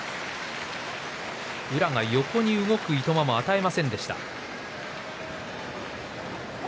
宇良が横に動くいとまも与えませんでした。